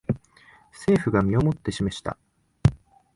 政府が身をもって示した